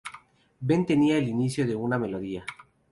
Ben tenía el inicio de una melodía.